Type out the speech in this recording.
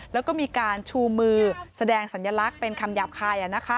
แล้วก็มีการชูมือแสดงสัญลักษณ์เป็นคำหยาบคาย